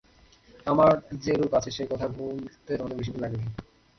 আমার যে রূপ আছে, সে কথা ভুলতে তোমার বেশিদিন লাগে নি।